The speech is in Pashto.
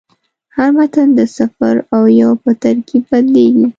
هر متن د صفر او یو په ترکیب بدلېږي.